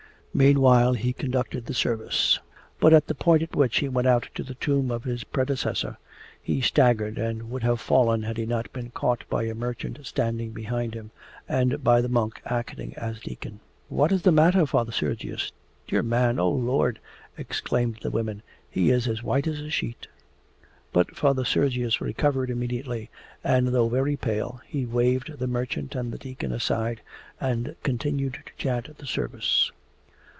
Meanwhile he conducted the service, but at the point at which he went out to the tomb of his predecessor, he staggered and would have fallen had he not been caught by a merchant standing behind him and by the monk acting as deacon. 'What is the matter, Father Sergius? Dear man! O Lord!' exclaimed the women. 'He is as white as a sheet!' But Father Sergius recovered immediately, and though very pale, he waved the merchant and the deacon aside and continued to chant the service.